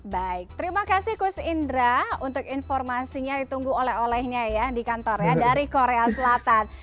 baik terima kasih kus indra untuk informasinya ditunggu oleh olehnya ya di kantor ya dari korea selatan